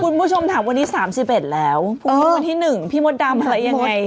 คุณผู้ชมถามวันนี้๓๑แล้วพรุ่งนี้วันที่๑พี่มดดำอะไรยังไง